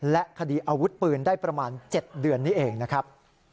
และคดีอาวุธปืนได้ประมาณ๗เดือนนี้เองนะครับ